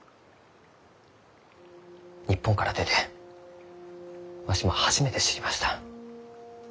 日本から出てわしも初めて知りました。